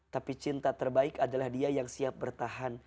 tapi cinta terbaik adalah dia yang siap bertahan